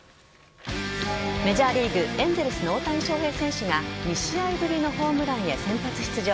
メジャーリーグエンゼルスの大谷翔平選手が２試合ぶりのホームランへ先発出場。